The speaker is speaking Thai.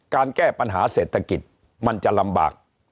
การแก้ปัญหาเศรษฐกิจมันจะลำบาก